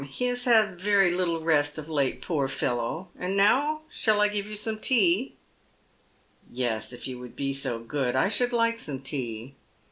He has had very little rest of late, poor fellow. And now shall I give you some tea ?'" Yes, if you will be so good. I should like some tea."